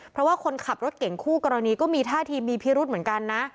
เพราะว่าคนขับรถเก่งคู่กรณีก็มีท่าทีมีพิรุธเหมือนกันนะ